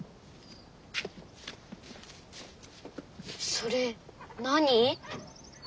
それ何？